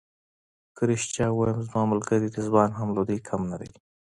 که رښتیا ووایم زما ملګری رضوان هم له دوی کم نه دی.